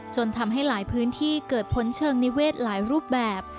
จนทำให้หลายพื้นที่เกิดผลเชิงนิเวศหลายรูปแบบ